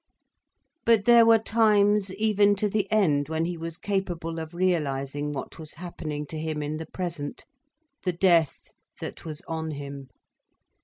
But there were times even to the end when he was capable of realising what was happening to him in the present, the death that was on him.